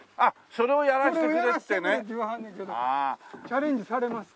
これをやらしてくれって言わはんねんけどチャレンジされますか？